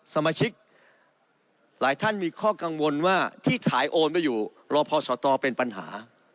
สมาชิกหลายท่านมีข้อกังวลว่าที่ขายโอนไปอยู่รอพอสตเป็นปัญหา